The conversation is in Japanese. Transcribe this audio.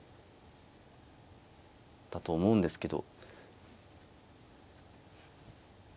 だと思うんですけど。